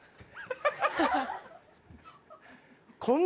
ハハハ。